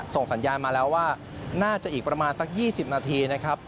ส่งสัญญาณมาแล้วว่าน่าจะอีกประมาณสัก๒๐นาทีนะครับ